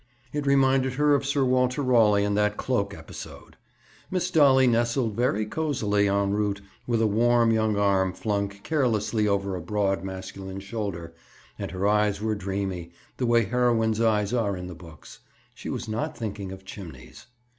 It reminded her of Sir Walter Raleigh and that cloak episode. Miss Dolly nestled very cozily, en route, with a warm young arm flung carelessly over a broad masculine shoulder and her eyes were dreamy, the way heroines' eyes are in the books. She was not thinking of chimneys.